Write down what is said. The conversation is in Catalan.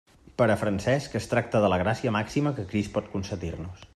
Per a Francesc es tracta de la gràcia màxima que Crist pot concedir-nos.